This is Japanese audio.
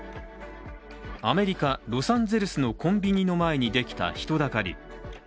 アメリカ・ロサンゼルスのコンビニの前にできた人だかり。